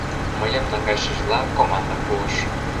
— мыйым наҥгайышыжла командым пуыш.